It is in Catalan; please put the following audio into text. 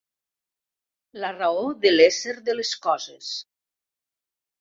La raó de l'ésser de les coses.